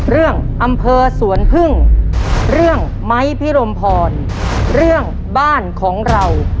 อำเภอสวนพึ่งเรื่องไม้พิรมพรเรื่องบ้านของเรา